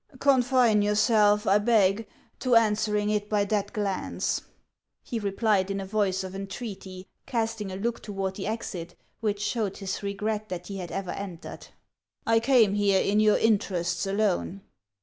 Confine yourself, I beg, to answering it by that glance," he replied in a voice of entreaty, casting a look toward the exit, which showed his regret that he had ever entered ;" I came here in your interests alone."